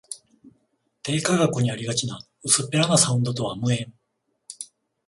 低価格にありがちな薄っぺらなサウンドとは無縁